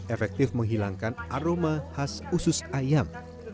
efektif menghilangkan aroma khas usus ayam